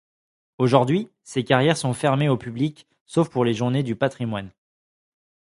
Aujourd'hui, ces carrières sont fermées au public sauf pour les journées du patrimoine.